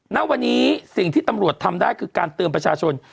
ณวันนี้สิ่งที่ตำรวจทำได้คือการเตือนประชาชน